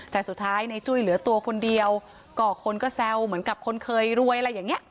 แต่สุดท้ายในจุ้ยเหลือตัวคนเดียวก็คนก็แซวเหมือนกับคนเคยรวยอะไรอย่างนี้